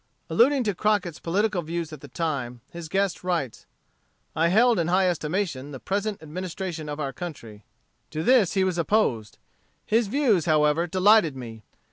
Alluding to Crockett's political views at that time, his guest writes, "I held in high estimation the present Administration of our country. To this he was opposed. His views, however, delighted me.